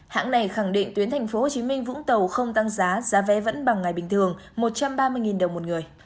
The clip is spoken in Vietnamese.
hãng này khẳng định tuyến tp hcm vũng tàu không tăng giá giá vé vẫn bằng ngày bình thường một trăm ba mươi đồng một người